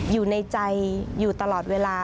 อยู่ในใจอยู่ตลอดเวลา